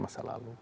dengan masa lalu